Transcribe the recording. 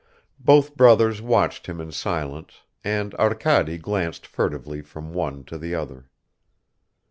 Both brothers watched him in silence, and Arkady glanced furtively from one to the other.